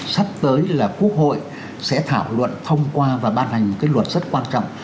sắp tới là quốc hội sẽ thảo luận thông qua và ban hành một cái luật rất quan trọng